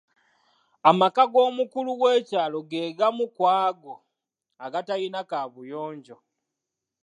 Amaka g'omukulu w'ekyalo ge gamu ku ago agatalina kaabuyonjo.